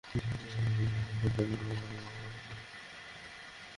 এ বর্ধিত অংশকে সত্য বা মিথ্যা বলা যায় না।